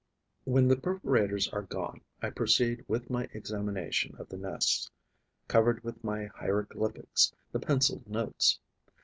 When the perforators are gone, I proceed with my examination of the nests, covered with my hieroglyphics, the pencilled notes.